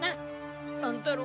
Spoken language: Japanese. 乱太郎